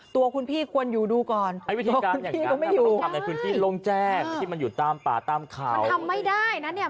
ตัวคุณพี่ควรอยู่ดูก่อนไม่อยู่คุณพี่ลงแจ้งที่มันอยู่ตามป่าตามเขาทำไม่ได้นะเนี่ย